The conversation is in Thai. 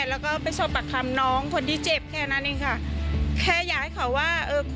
แล้วก็ไปสอบปากคำน้องคนที่เจ็บแค่นั้นเองค่ะแค่อยากให้เขาว่าเออ